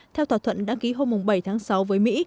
theo thỏa thuận đã ký hôm bảy tháng sáu với mỹ